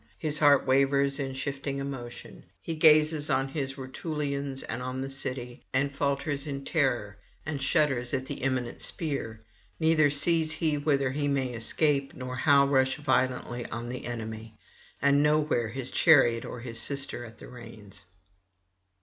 His heart wavers in shifting emotion; he gazes on his Rutulians and on the city, and falters in terror, and shudders at the imminent spear; neither sees he whither he may escape nor how rush violently on the enemy, and nowhere his chariot or his sister at the reins.